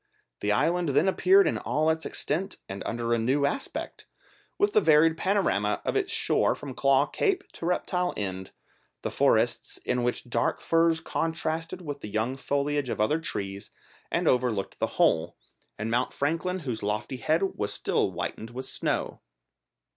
The island then appeared in all its extent and under a new aspect, with the varied panorama of its shore from Claw Cape to Reptile End, the forests in which dark firs contrasted with the young foliage of other trees and overlooked the whole, and Mount Franklin whose lofty head was still whitened with snow.